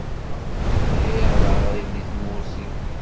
Ḍḥiɣ d aɣrib di tmurt-iw.